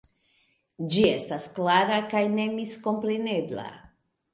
Ĝi estas klara kaj nemiskomprenebla.